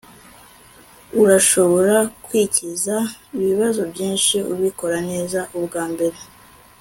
urashobora kwikiza ibibazo byinshi ubikora neza ubwambere